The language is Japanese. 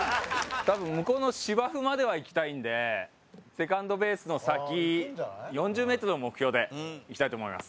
多分、向こうの芝生まではいきたいんでセカンドベースの先、４０ｍを目標でいきたいと思います。